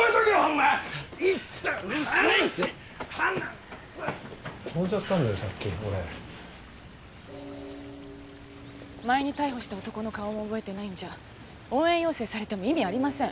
前に逮捕した男の顔も覚えてないんじゃ応援要請されても意味ありません。